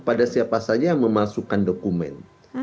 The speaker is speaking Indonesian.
pada siapa saja yang memasukkan dokumen